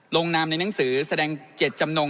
ลงนามในหนังสือแสดงเจตจำนง